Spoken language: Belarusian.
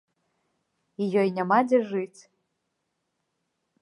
І ёй няма дзе жыць.